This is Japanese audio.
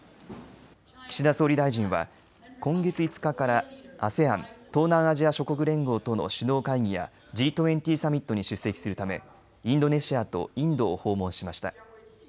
岸田総理大臣は今月５日からＡＳＥＡＮ＝東南アジア諸国連合との首脳会議やＧ２０サミットに出席するためインドネシアとインドを訪問しました。